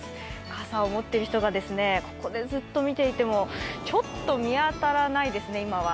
傘を持っている人が、ここでずっと見ていてもちょっと見当たらないですね、今は。